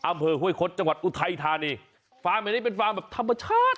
อำเภอห้วยคดจังหวัดอุทัยธานีฟาร์มแห่งนี้เป็นฟาร์มแบบธรรมชาติ